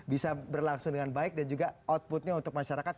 bisa berlangsung dengan baik dan juga outputnya untuk masyarakat